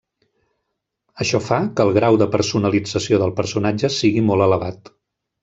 Això fa que el grau de personalització del personatge sigui molt elevat.